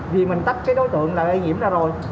vì mình tách cái đối tượng là lây nhiễm ra rồi